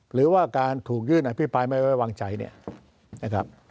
หรือว่าการถูกยื่นอภิปรายไม่ไว้วางใจเนี่ยนะครับ